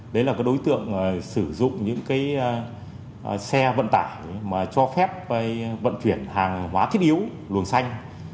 đấy là đối tượng sử dụng những xe vận tải mà cho phép vận chuyển hàng hóa thiết yếu luồng xanh